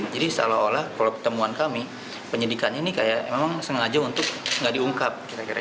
jadi seolah olah kalau pertemuan kami penyidikannya ini memang sengaja untuk tidak diungkap